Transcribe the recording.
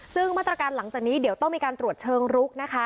ซึ่งมาตรการหลังจากนี้เดี๋ยวต้องมีการตรวจเชิงรุกนะคะ